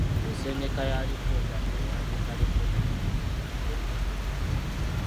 Ensengeka ya alipoota, Ng’owandiika alipoota kirungi ogoberere bino wammanga